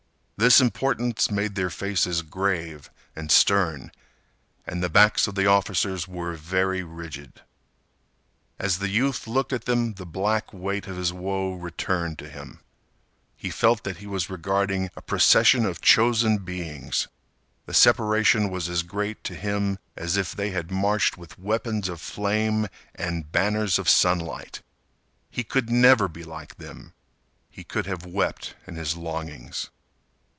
This importance made their faces grave and stern. And the backs of the officers were very rigid. As the youth looked at them the black weight of his woe returned to him. He felt that he was regarding a procession of chosen beings. The separation was as great to him as if they had marched with weapons of flame and banners of sunlight. He could never be like them. He could have wept in his longings.